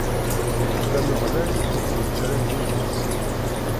Nekk, d Ameɣlal, i ten-ittarran d imqeddsen.